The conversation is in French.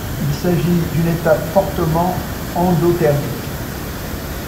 Il s'agit d'une étape fortement endothermique.